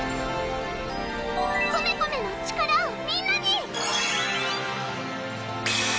コメコメの力をみんなに！